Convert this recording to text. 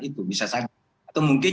itu bisa saja atau mungkin